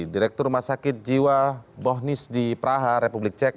direktur rumah sakit jiwa bohnis di praha republik cek